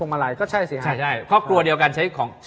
เล็กเล็กเล็กเล็กเล็กเล็กเล็ก